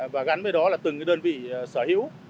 và gắn với đó là từng đơn vị sở hữu